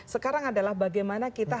sekarang adalah bagaimana kita